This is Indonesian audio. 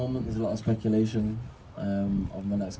ada banyak spekulasi tentang klub berikutnya